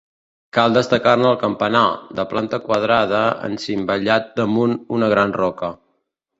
Cal destacar-ne el campanar, de planta quadrada encimbellat damunt una gran roca.